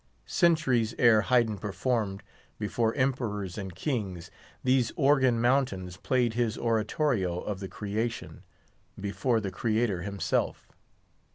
Centuries ere Haydn performed before emperors and kings, these Organ Mountains played his Oratorio of the Creation, before the Creator himself.